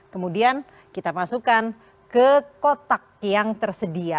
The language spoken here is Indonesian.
kemudian kita masukkan ke kotak yang tersedia